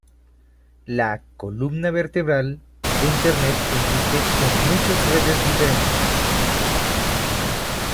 La "columna vertebral" de Internet consiste en muchas redes diferentes.